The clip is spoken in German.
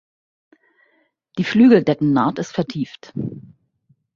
Die Flügeldeckennaht ist vertieft.